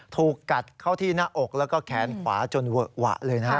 ถูกกัดเข้าที่หน้าอกแล้วก็แขนขวาจนเวอะหวะเลยนะฮะ